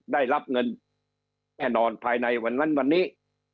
ได้รับเงินแน่นอนภายในวันนั้นวันนี้